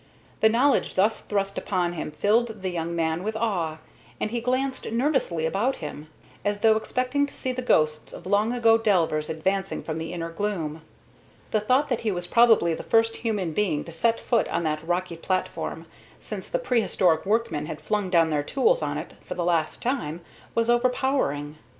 The knowledge thus thrust upon him filled the young man with awe, and he glanced nervously about him, as though expecting to see the ghosts of long ago delvers advancing from the inner gloom. The thought that he was probably the first human being to set foot on that rocky platform since the prehistoric workmen had flung down their tools on it for the last time was overpowering.